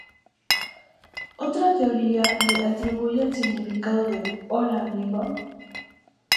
Otra teoría le atribuye el significado de "Hola Amigo".